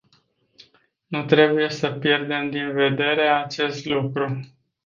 Nu trebuie să pierdem din vedere acest lucru.